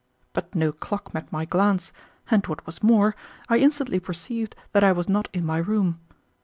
But no clock met my glance, and what was more, I instantly perceived that I was not in my room.